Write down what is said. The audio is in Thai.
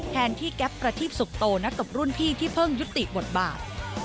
แทนที่แก๊ปประทีปสุขโตนักตบรุ่นพี่ที่เพิ่งยุติบทบาท